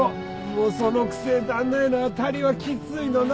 もうそのくせ旦那への当たりはきついの何の。